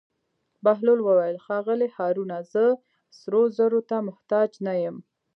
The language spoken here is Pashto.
بهلول وویل: ښاغلی هارونه زه سرو زرو ته محتاج نه یم.